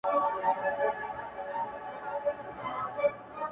• خزان یې مه کړې الهي تازه ګلونه,